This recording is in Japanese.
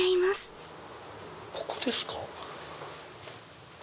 ここですか？